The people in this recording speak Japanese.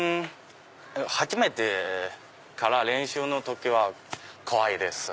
初めてから練習の時は怖いです。